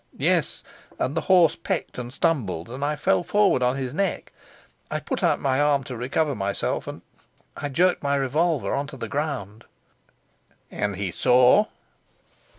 "Yes; and the horse pecked and stumbled, and I fell forward on his neck. I put out my arm to recover myself, and I jerked my revolver on to the ground." "And he saw?"